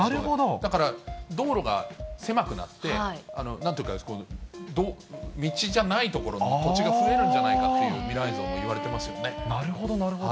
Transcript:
だから道路が狭くなって、なんていうか、道じゃない所の土地が増えるんじゃないかという未来像もいわれてなるほど、なるほど。